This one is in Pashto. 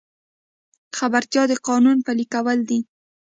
خبرتیا د قانون پلي کول دي